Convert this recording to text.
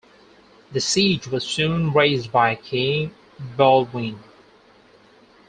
The siege was soon raised by King Baldwin.